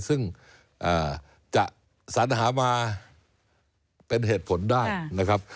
ซึ่งจะสัญหามาเป็นเหตุผลได้นะครับ